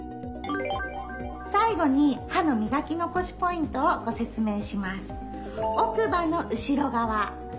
最後に歯のみがき残しポイントをご説明します。